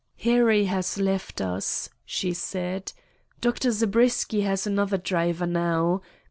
"Harry has left us," she said. "Dr. Zabriskie has another driver now.